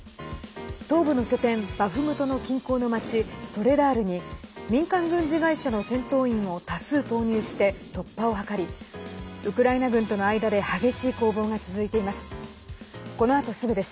東部の拠点、バフムトの近郊の町ソレダールに民間軍事会社の戦闘員を多数投入して、突破を図りウクライナ軍との間で激しい攻防が続いています。